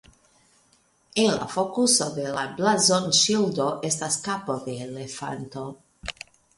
En la fokuso de la blazonŝildo estas kapo de elefanto.